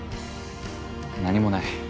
何もない！